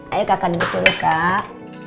ayo kakak duduk dulu kak